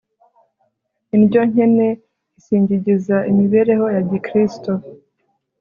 indyo nkene isigingiza imibereho ya gikristo